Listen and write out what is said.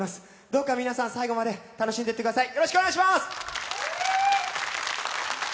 どうか皆さん、最後まで楽しんでいってください。